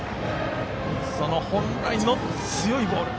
本来の強いボール。